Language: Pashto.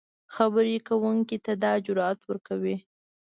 خبرې کوونکي ته دا جرات ورکوي